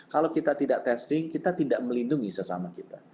kalau kita tidak testing kita tidak melindungi sesama kita